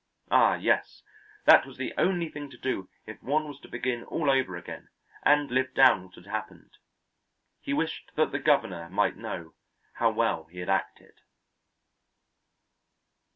Ah, yes, that was the only thing to do if one was to begin all over again and live down what had happened. He wished that the governor might know how well he had acted.